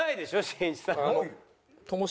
しんいちさん。